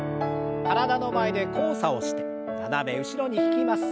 体の前で交差をして斜め後ろに引きます。